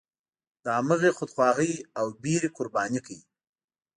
د همغې خودخواهۍ او ویرې قرباني کړ.